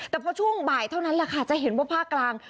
แต่พอช่วงบ่ายเท่านั้นแหละค่ะจะเห็นว่าภาคกลาง